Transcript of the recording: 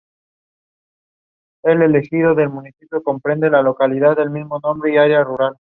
Es un 'Te amo, fuimos geniales juntos, pero la has estropeado y seguiría contigo'.